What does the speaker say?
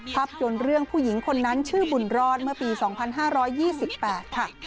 ภาพยนตร์เรื่องผู้หญิงคนนั้นชื่อบุญรอดเมื่อปี๒๕๒๘ค่ะ